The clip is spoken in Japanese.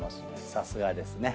さすがですね。